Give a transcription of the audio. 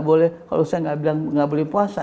boleh kalau saya nggak bilang nggak boleh puasa